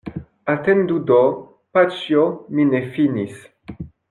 Atendu do, paĉjo, mi ne finis.